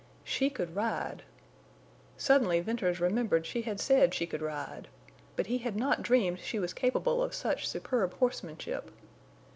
She could ride! Suddenly Venters remembered she had said she could ride. But he had not dreamed she was capable of such superb horsemanship.